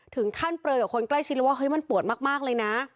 เปลยกับคนใกล้ชิดแล้วว่าเฮ้ยมันปวดมากเลยนะ